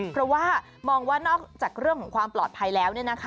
เพราะว่ามองว่านอกจากเรื่องของความปลอดภัยแล้ว